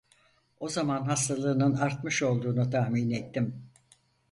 O zaman hastalığının artmış olduğunu tahmin ettim.